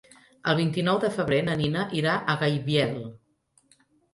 El vint-i-nou de febrer na Nina irà a Gaibiel.